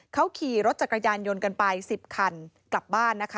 เขาขี่รถจักรยานยนต์กันไป๑๐คันกลับบ้านนะคะ